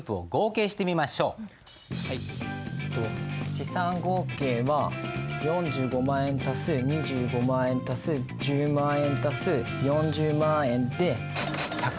資産合計は４５万＋２５万円＋１０万円＋４０万円で１２０万円。